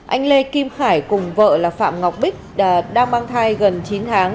anh lê kim khải cùng vợ là phạm ngọc bích đang mang thai gần chín tháng